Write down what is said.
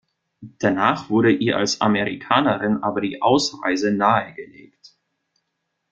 Danach wurde ihr als Amerikanerin aber die Ausreise nahegelegt.